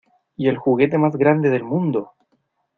¡ Y el juguete más grande del mundo!